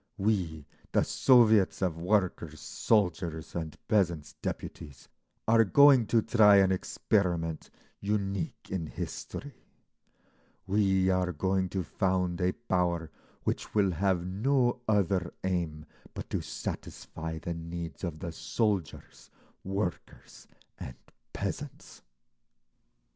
We, the Soviets of Workers', Soldiers' and Peasants' Deputies, are going to try an experiment unique in history; we are going to found a power which will have no other aim but to satisfy the needs of the soldiers, workers, and peasants."